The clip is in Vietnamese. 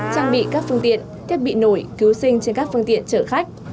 trang bị các phương tiện thiết bị nổi cứu sinh trên các phương tiện chở khách